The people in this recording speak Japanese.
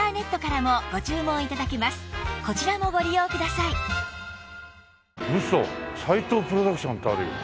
「さいとう・プロダクション」ってあるよ。